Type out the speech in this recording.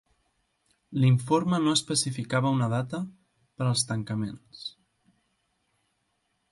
L'informe no especificava una data per als tancaments.